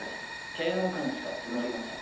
嫌悪感しか募りません。